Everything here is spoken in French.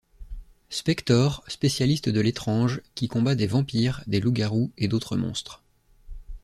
Spektor, spécialiste de l'étrange, qui combat des vampires, des loups-garous et d'autres monstres.